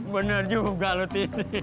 bener juga lo tis